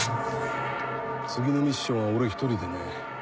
次のミッションは俺一人でね。